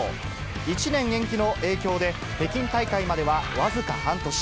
１年延期の影響で、北京大会までは僅か半年。